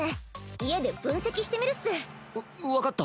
家で分析してみるっス。わ分かった。